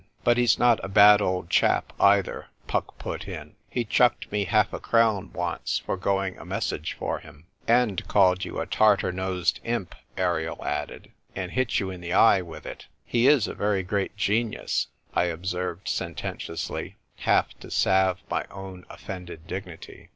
" But he's not a bad old chap, either," Puck put in. " He chucked me half a crown once for going a message for him." "And called you a Tartar nosed imp," Ariel added ;" and hit you in the eye with it." " He is a very great genius," I observed, sententiously, half to salve my own offended dignity.